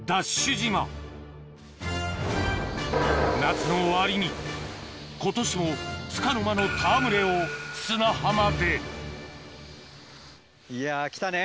島今年もつかの間の戯れを砂浜でいや来たね。